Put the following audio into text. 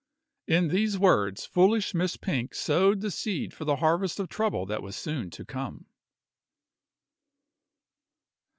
In these words foolish Miss Pink sowed the seed for the harvest of trouble that was soon to come.